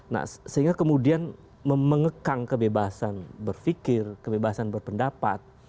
nah sehingga kemudian mengekang kebebasan berpikir kebebasan berpendapat